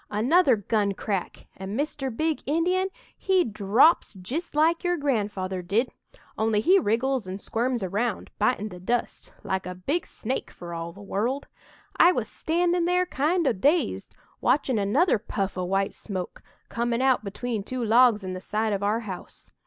another gun crack and Mr. Big Indian he drops jist like your grandfather did, only he wriggles and squirms around, bitin' the dust like a big snake for all the world! "I was standin' there, kind o' dazed, watchin' another puff o' white smoke, comin' out between two logs in the side of our house.